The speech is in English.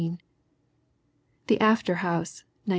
The After House, 1914.